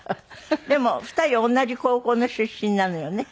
でも２人同じ高校の出身なのよね。